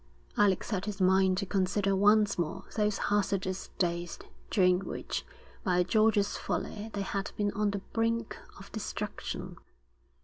Alec set his mind to consider once more those hazardous days during which by George's folly they had been on the brink of destruction.